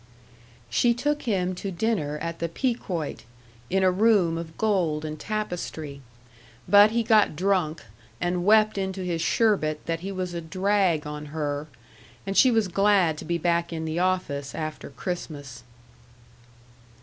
She took him to dinner at the Pequoit, in a room of gold and tapestry. But he got drunk, and wept into his sherbet that he was a drag on her; and she was glad to be back in the office after Christmas.